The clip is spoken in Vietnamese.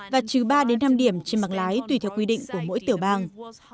và trừ ba đến năm điểm trên mạng lái tùy theo quy định của mỗi tiểu bang